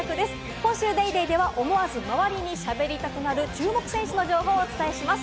今週『ＤａｙＤａｙ．』では思わず周りにしゃべりたくなる注目選手の情報をお伝えします。